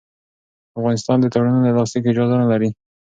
افغانستان د تړونونو د لاسلیک اجازه نه لرله.